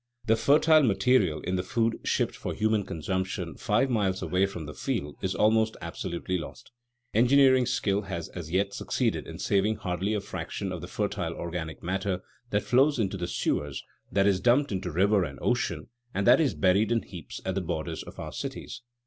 The fertile material in the food shipped for human consumption five miles away from the field is almost absolutely lost. Engineering skill has as yet succeeded in saving hardly a fraction of the fertile organic matter that flows into the sewers, that is dumped into river and ocean, and that is buried in heaps at the borders of our cities.